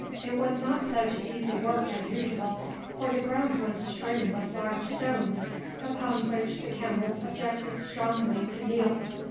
It was not such easy work as usual, for the ground was strewn with large stones, upon which the camels objected strongly to kneel.